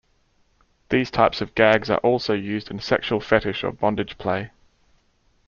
These type of gags are also used in sexual fetish or bondage play.